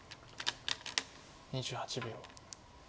２８秒。